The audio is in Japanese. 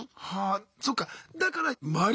そっかだから周り